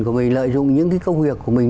của mình lợi dụng những cái công việc của mình